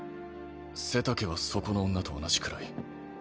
背丈はそこの女と同じくらい。